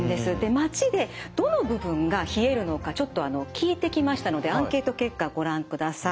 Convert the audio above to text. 街でどの部分が冷えるのかちょっと聞いてきましたのでアンケート結果ご覧ください。